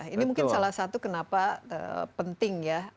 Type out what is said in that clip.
ini mungkin salah satu kenapa penting ya